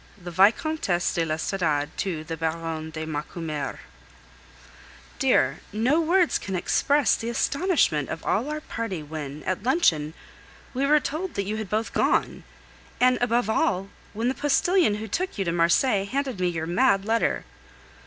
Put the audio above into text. THE VICOMTESSE DE L'ESTORADE TO THE BARONNE DE MACUMER Dear, no words can express the astonishment of all our party when, at luncheon, we were told that you had both gone, and, above all, when the postilion who took you to Marseilles handed me your mad letter.